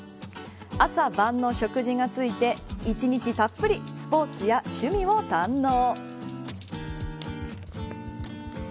朝晩の食事がついて一日たっぷりスポーツや趣味を堪能。